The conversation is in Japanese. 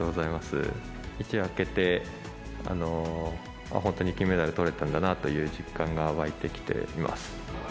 一夜明けて、本当に金メダルとれたんだなという実感が湧いてきています。